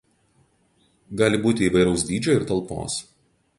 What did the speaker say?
Gali būti įvairaus dydžio ir talpos.